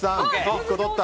１個取った。